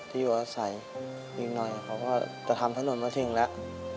อยู่อาศัยอีกหน่อยเขาก็จะทำถนนมาถึงแล้ว